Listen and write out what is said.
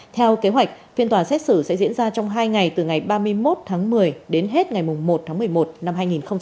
theo kế hoạch phiên tòa xét xử sẽ diễn ra trong hai ngày từ ngày ba mươi một tháng một mươi đến hết ngày một tháng một mươi một năm hai nghìn hai mươi